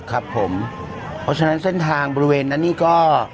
ครับผมเพราะฉะนั้นเส้นทางบริเวณนั้นนี่ก็